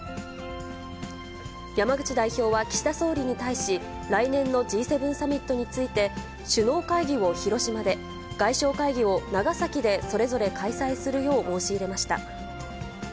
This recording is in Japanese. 山口代表は岸田総理に対し、来年のＧ７サミットについて、首脳会議を広島で、外相会議を長崎でそれぞれ開催するよう申し入れました。